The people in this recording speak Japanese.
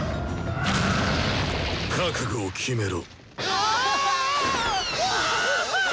覚悟を決めろ。